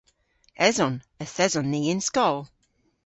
Eson. Yth eson ni y'n skol.